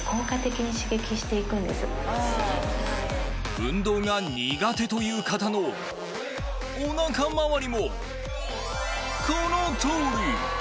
運動が苦手という方のお腹周りもこの通り！